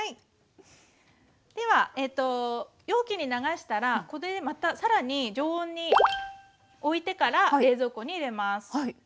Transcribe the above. では容器に流したらこれでまた更に常温においてから冷蔵庫に入れます。